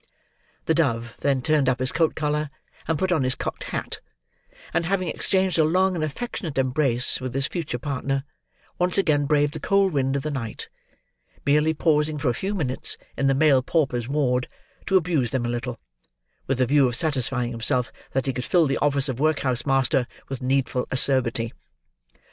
The dove then turned up his coat collar, and put on his cocked hat; and, having exchanged a long and affectionate embrace with his future partner, once again braved the cold wind of the night: merely pausing, for a few minutes, in the male paupers' ward, to abuse them a little, with the view of satisfying himself that he could fill the office of workhouse master with needful acerbity.